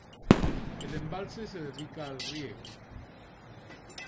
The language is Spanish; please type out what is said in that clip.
El embalse se dedica al riego.